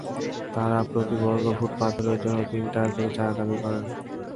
তাঁরা প্রতি বর্গফুট পাথরের জন্য তিন টাকা করে চাঁদা দাবি করেন।